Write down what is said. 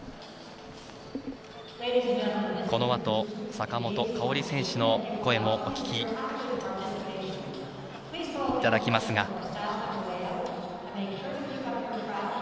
このあと坂本花織選手の声もお聞きいただきますが。